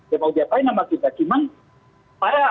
ya mau diapain nanti bagaimana